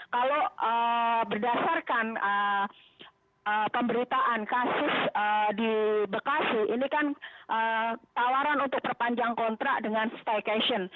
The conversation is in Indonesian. kalau berdasarkan pemberitaan kasus di bekasi ini kan tawaran untuk perpanjang kontrak dengan staycation